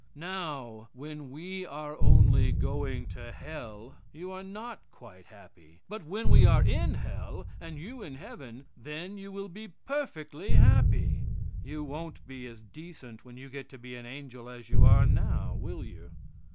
"Now, when we are only going to hell, you are not quite happy; but when we are in hell, and you in heaven, then you will be perfectly happy?" You won't be as decent when you get to be an angel as you are now, will you?